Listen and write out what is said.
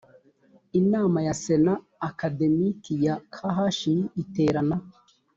inama ya sena akademiki ya khi iterana